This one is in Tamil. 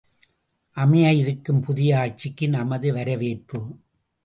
அமைய இருக்கும் புதிய ஆட்சிக்கு நமது வரவேற்பு!